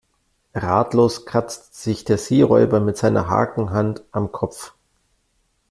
Ratlos kratzt sich der Seeräuber mit seiner Hakenhand am Kopf.